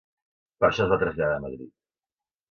Per això es va traslladar a Madrid.